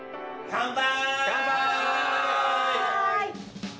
乾杯！